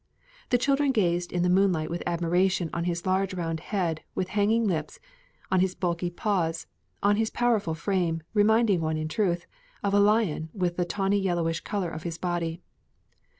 The children gazed in the moonlight with admiration on his large round head with hanging lips, on his bulky paws, on his powerful frame, reminding one, in truth, of a lion with the tawny yellowish color of his body.